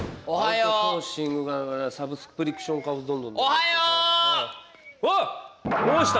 おはよう！